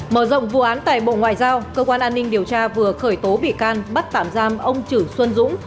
mở rộng vụ án tại bộ ngoại giao cơ quan an ninh điều tra vừa khởi tố bị can bắt tạm giam ông chử xuân dũng